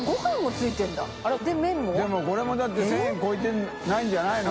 任これもだって１０００円超えてないんじゃないの？